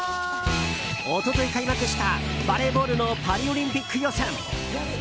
一昨日、開幕したバレーボールのパリオリンピック予選。